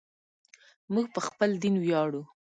موږ په خپل دین ویاړو.